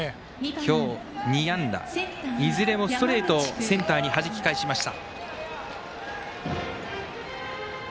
今日２安打、いずれもストレートをセンターにはじき返しました。